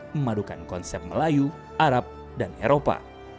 memadukan konsep melayu arab dan eropa